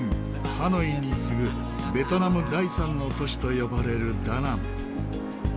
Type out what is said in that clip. ハノイに次ぐベトナム第三の都市と呼ばれるダナン。